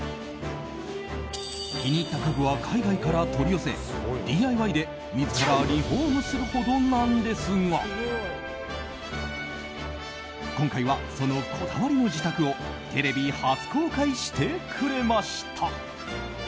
気に入った家具は海外から取り寄せＤＩＹで自らリフォームするほどなんですが今回は、そのこだわりの自宅をテレビ初公開してくれました。